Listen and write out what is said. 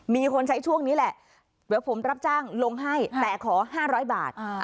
มีคนใช้ช่วงนี้แหละเดี๋ยวผมรับจ้างลงให้แต่ขอ๕๐๐บาท